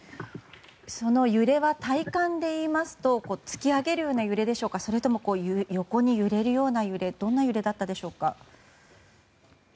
その揺れは体感でいいますと突き上げるような揺れでしょうかそれとも横に揺れるような揺れどんな揺れだったでしょうか？